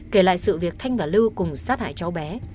kể lại sự việc thanh và lư cùng sát hại cháu bé